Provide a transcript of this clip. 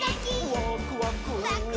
「ワクワク」ワクワク。